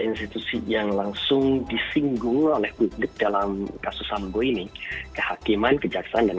institusi yang langsung disinggung oleh publik dalam kasus sambo ini kehakiman kejaksaan dan